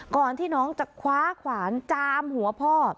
ก่อนที่น้องจะคว้าขวานจามหัวพ่อ